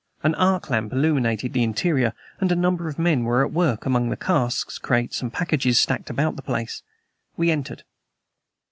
An arc lamp illuminated the interior and a number of men were at work among the casks, crates and packages stacked about the place. We entered.